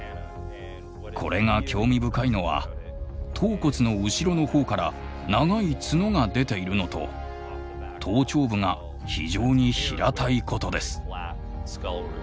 これが興味深いのは頭骨の後ろのほうから長い角が出ているのと頭頂部が非常に平たいことです。